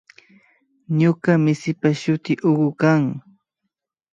Ñuka misipa shuti Hugo kan